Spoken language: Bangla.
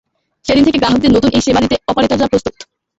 সেদিন থেকে গ্রাহকদের নতুন এই সেবা দিতে অপারেটররা প্রস্তুত।